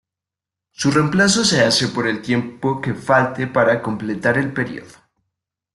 Su reemplazo se hace por el tiempo que falte para completar el período.